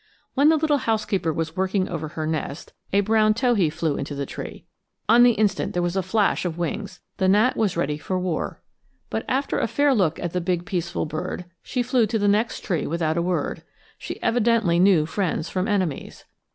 When the little housekeeper was working over her nest, a brown towhee flew into the tree. On the instant there was a flash of wings the gnat was ready for war. But after a fair look at the big peaceful bird, she flew to the next tree without a word she evidently knew friends from enemies.